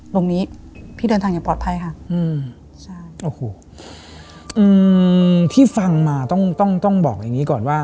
ตรงนี้พี่เดินทางอย่างปลอดภัยค่ะอืมใช่โอ้โหอืมที่ฟังมาต้องต้องต้องบอกอย่างงี้ก่อนว่า